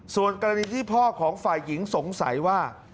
ส่วนกรณีที่พ่อของฝ่ายหญิงสงสัยว่า